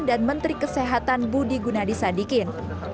dan menteri kesehatan budi gunadisadikin